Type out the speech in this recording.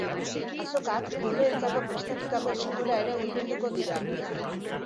Azokak umeentzako prestatutako txokora ere hurbilduko dira.